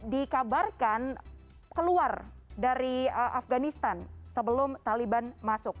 dikabarkan keluar dari afganistan sebelum taliban masuk